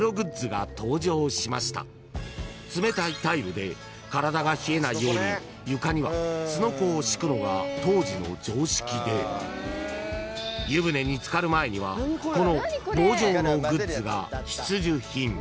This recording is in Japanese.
［冷たいタイルで体が冷えないように床にはすのこを敷くのが当時の常識で湯船に漬かる前にはこの棒状のグッズが必需品］